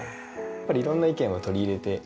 やっぱり色んな意見を取り入れて。